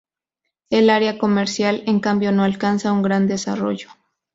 El área comercial, en cambio, no alcanza un gran desarrollo.